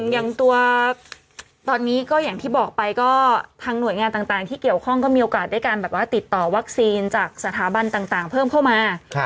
อย่างตัวตอนนี้ก็อย่างที่บอกไปก็ทางหน่วยงานต่างที่เกี่ยวข้องก็มีโอกาสได้การแบบว่าติดต่อวัคซีนจากสถาบันต่างเพิ่มเข้ามา